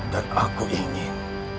dan aku ingin